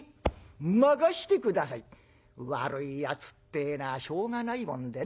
悪いやつってえのはしょうがないもんでね。